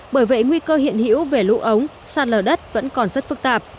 bởi vậy nguy cơ hiện hữu về lũ ống sạt lở đất vẫn còn rất phức tạp